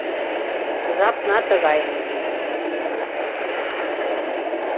Жапна тыгай